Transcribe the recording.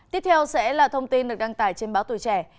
tiếp theo sẽ là thông tin được đăng tải trên báo tuổi trẻ